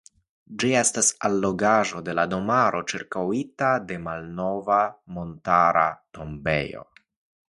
Ĝi estas allogaĵo de la domaro (ĉirkaŭita de malnova montara tombejo).